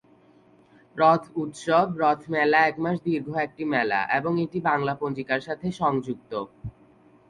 রথ উৎসব, রথ মেলা এক মাস দীর্ঘ একটি মেলা, এবং এটি বাংলা পঞ্জিকার সাথে সংযুক্ত।